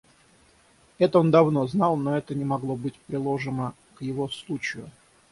Это он давно знал, но это не могло быть приложимо к его случаю.